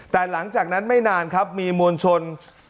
แต่หลังจากนั้นไม่นานครับมีมวลชน